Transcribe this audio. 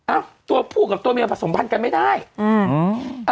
อ่ะตัวผู้กับตัวเมียผสมพันธ์กันไม่ได้อืม